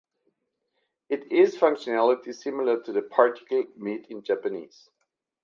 It is functionally similar to the particle "made" in Japanese.